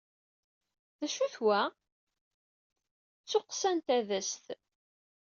D acu-t wa? D tuqqsa n tadast.